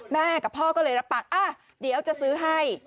แม่กับพ่อก็เลยรับปากเดี๋ยวจะซื้อให้